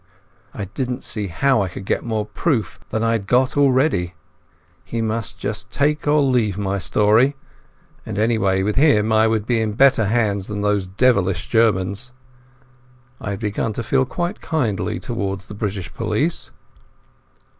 I didn't see how I could get more proof than I had got already. He must just take or leave my story, and anyway, with him I would be in better hands than those devilish Germans. I had begun to feel quite kindly towards the British police.